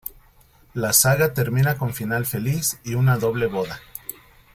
La saga termina con final feliz y una doble boda.